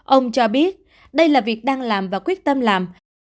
ông cho biết đây là việc đang làm và quyết tâm làm